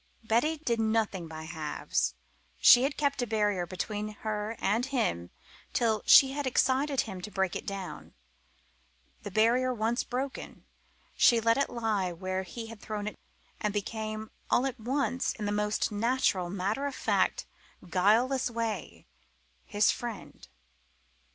Betty did nothing by halves. She had kept a barrier between her and him till she had excited him to break it down. The barrier once broken, she let it lie where he had thrown it, and became, all at once, in the most natural, matter of fact, guileless way, his friend.